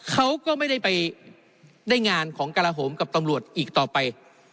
เขาก็ไม่ได้ไปได้งานของกระโหมกับตำรวจอีกต่อไป